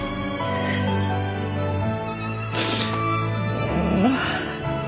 もう。